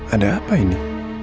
ada apa ini